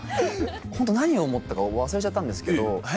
ホント何を思ったか忘れちゃったんですけど。